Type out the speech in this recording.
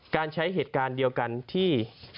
การใช้เหตุการณ์เดียวกันที่